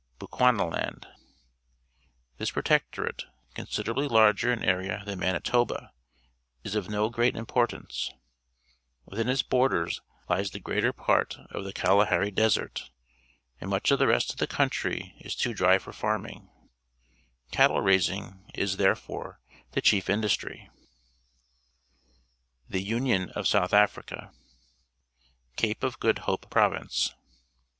BECHUANALAND This protectorate, considerably larger in area than Manitoba, is of no great impor tance. Witliin its borders lies the greater part of the Kalahari Desert, and much of gr;'jy^ 1 Ostriches on a South African Farm the rest of the country is too dry for farming. Cattle raising is, therefore, the chief industry. tA/^> THE UNION OF SOUTH AFRICA ^ Cape of Good Hope Province.